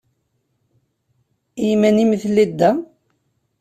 I iman-im i telliḍ da?